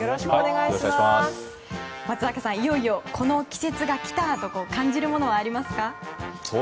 いよいよ、この季節が来たと感じるものはありますか？